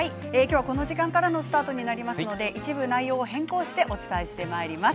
この時間からの放送になりますので、一部内容を変更してお伝えします。